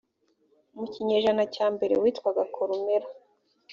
mu kinyejana cya mbere witwaga columella